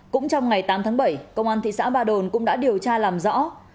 cũng trong ngày tám tháng bảy công an thị xã ba đồn cũng đã điều tra làm rõ